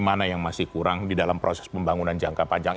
mana yang masih kurang di dalam proses pembangunan jangka panjang